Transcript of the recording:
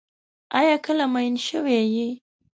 آیا کله مئین شوی یې؟